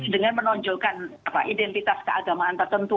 dengan menonjolkan identitas keagamaan tertentu